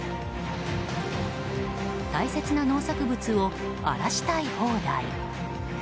大切な農作物を荒らしたい放題。